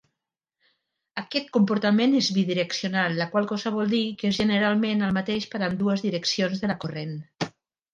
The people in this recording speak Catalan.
Aquest comportament és bidireccional, la qual cosa vol dir que és generalment el mateix per a ambdues direccions de la corrent.